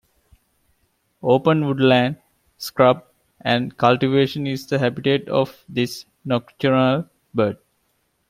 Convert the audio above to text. Open woodland, scrub, and cultivation is the habitat of this nocturnal bird.